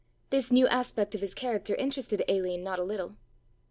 This new aspect of his character interested Aline not a little.